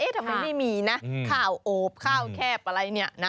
ทำไมไม่มีนะข้าวโอบข้าวแคบอะไรเนี่ยนะ